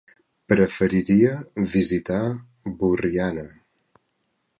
Preferiria visitar Borriana.